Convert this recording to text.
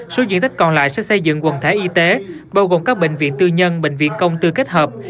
số diện tích còn lại sẽ xây dựng quần thể y tế bao gồm các bệnh viện tư nhân bệnh viện công tư kết hợp